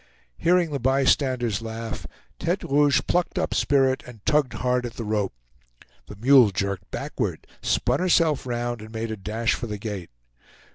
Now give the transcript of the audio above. Hearing the by standers laugh, Tete Rouge plucked up spirit and tugged hard at the rope. The mule jerked backward, spun herself round, and made a dash for the gate.